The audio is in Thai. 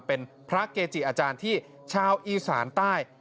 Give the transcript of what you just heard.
เป็นพระเกจิอาจารย์ที่ชาวอีสานใต้